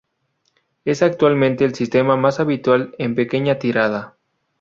Es actualmente el sistema más habitual en pequeña tirada.